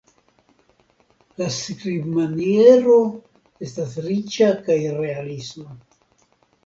La skribmaniero estas riĉa kaj realisma.